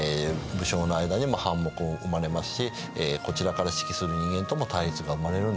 武将の間にも反目が生まれますしこちらから指揮する人間とも対立が生まれるんですね。